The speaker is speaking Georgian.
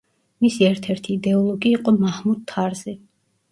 მისი ერთ-ერთი იდეოლოგი იყო მაჰმუდ თარზი.